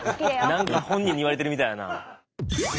何か本人に言われてるみたいやな。